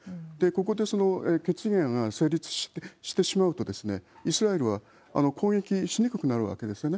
ここでその決議案が成立してしまうと、イスラエルは攻撃しにくくなるわけですよね。